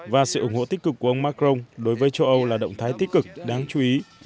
và sự ủng hộ tích cực của ông macron đối với châu âu là động thái tích cực đáng chú ý